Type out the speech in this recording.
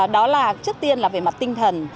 đó là trước tiên là về mặt tinh thần